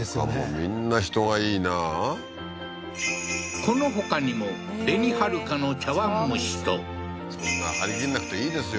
みんな人がいいなこのほかにも紅はるかの茶碗蒸しとそんな張り切んなくていいですよ